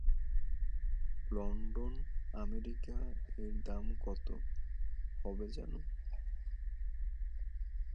London, আমেরিকায় এর দাম কত, হবে জানো?